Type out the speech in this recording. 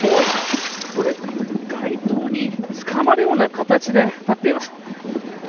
街灯に捕まるような形で立っています。